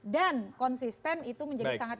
dan konsisten itu menjadi sangat